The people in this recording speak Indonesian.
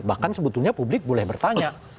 bahkan sebetulnya publik boleh bertanya